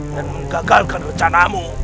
dan menggagalkan rencanamu